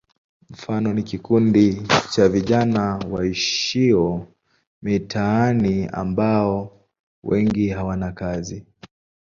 Mfano ni kikundi cha vijana waishio mitaani ambao wengi hawana kazi.